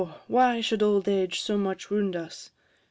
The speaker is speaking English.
O! why should old age so much wound us?